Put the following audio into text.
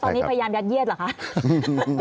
ตอนนี้พยายามยัดเยียดเหรอคะ